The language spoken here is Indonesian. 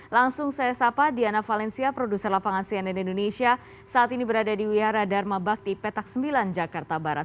langsung saya sapa diana valencia produser lapangan cnn indonesia saat ini berada di wiara dharma bakti petak sembilan jakarta barat